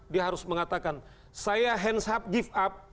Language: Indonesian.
dia harus mengatakan saya hands hub give up